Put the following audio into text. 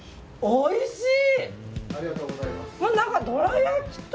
おいしい。